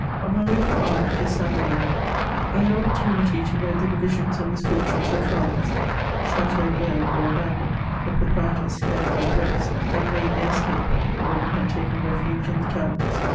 On my way from Havre to St. Malo, I had opportunity to note the divisions and misfortunes of France ; chateaux burned or abandoned ; the proprietors, scared by threats, had made their escape \ the women had taken refuge in the towns.